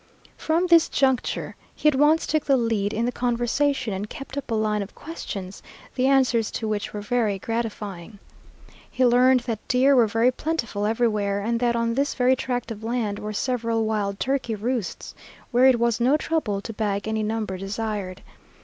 From this juncture, he at once took the lead in the conversation, and kept up a line of questions, the answers to which were very gratifying. He learned that deer were very plentiful everywhere, and that on this very tract of land were several wild turkey roosts, where it was no trouble to bag any number desired.